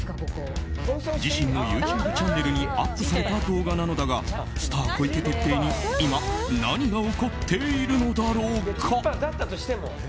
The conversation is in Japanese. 自身のＹｏｕＴｕｂｅチャンネルにアップされた動画なのだがスター小池徹平に今、何が起こっているのだろうか。